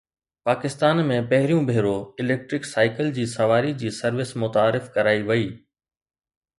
پاڪستان ۾ پهريون ڀيرو electric cycle جي سواري جي سروس متعارف ڪرائي وئي